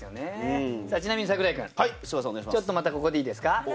ちなみに櫻井くん、ちょっとまた、ここでいいですか？